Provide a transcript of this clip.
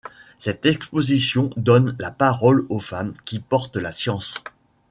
Cette exposition donne la parole aux femmes qui portent la science.